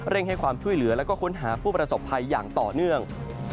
ให้ความช่วยเหลือแล้วก็ค้นหาผู้ประสบภัยอย่างต่อเนื่อง